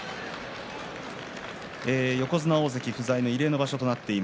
横綱、大関不在の異例の場所です。